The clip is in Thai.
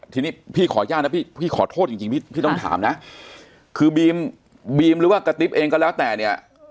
ทีนี้พี่ขออนุญาตนะพี่ขอโทษจริงพี่ต้องถามนะคือบีมบีมหรือว่ากระติ๊บเองก็แล้วแต่เนี่ย